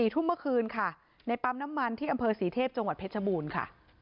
ทุ่มเมื่อคืนค่ะในปั๊มน้ำมันที่อำเภอศรีเทพจังหวัดเพชรบูรณ์ค่ะ